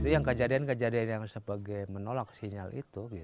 itu yang kejadian kejadian yang sebagai menolak sinyal itu